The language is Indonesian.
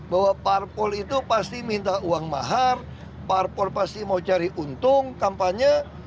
bahwa parpol itu pasti minta uang mahar parpol pasti mau cari untung kampanye